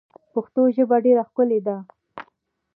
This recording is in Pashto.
پښتو ژبه ډیر ښکلی ده.